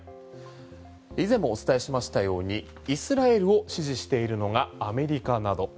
以前もお伝えしましたようにイスラエルを支持しているのがアメリカなど。